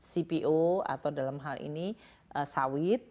cpo atau dalam hal ini sawit